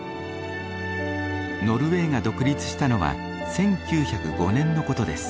ノルウェーが独立したのは１９０５年のことです。